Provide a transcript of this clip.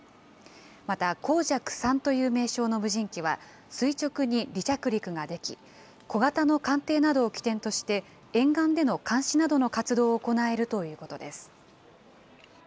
また、紅雀３という名称の無人機は、垂直に離着陸ができ、小型の艦艇などを起点として沿岸での監視などの活動を行えるということです。